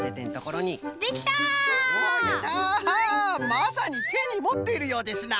まさにてにもっているようですな！